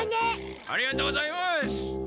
ありがとうございます。